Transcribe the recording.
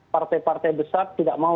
partai partai besar tidak mau